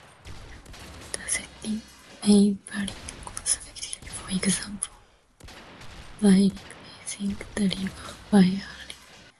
The setting may vary cosmetically, for example, by replacing the river by a bridge.